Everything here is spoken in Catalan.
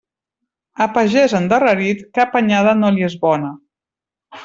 A pagès endarrerit, cap anyada no li és bona.